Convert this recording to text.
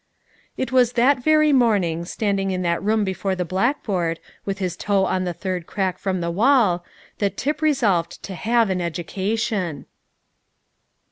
It was that very morning, standing in that room before the blackboard, with his toe on the third crack from the wall, that Tip resolved to have an education.